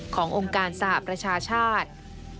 ขององค์การสหประชาชาติ